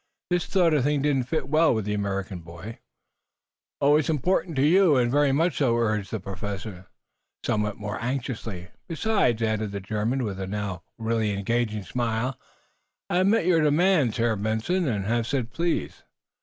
This sort of thing didn't fit well with the American boy. "Oh, it is important to you, and very much so," urged the Professor, somewhat more anxiously. "Besides," added the German, with a now really engaging smile, "I have met your demand, Herr Benson, and have said 'please.'"